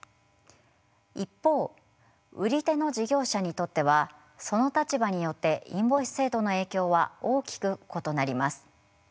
一方売り手の事業者にとってはその立場によってインボイス制度の影響は大きく異なります。